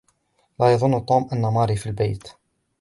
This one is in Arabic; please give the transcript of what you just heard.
لا يظن توم أن ماري في البيت.